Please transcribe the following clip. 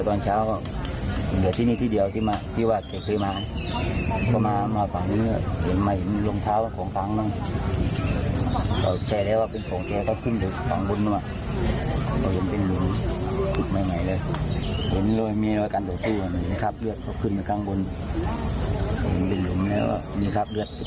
ตอบแชร่ว่าเป็นโขงแชร่เขาขึ้นเหลือข้างบนมา